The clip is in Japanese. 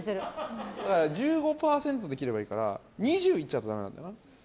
１５％で切ればいいから２０いっちゃうとだめだよな。